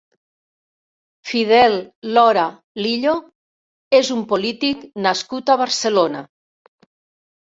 Fidel Lora Lillo és un polític nascut a Barcelona.